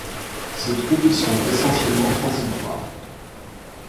Ces troubles sont essentiellement transitoires.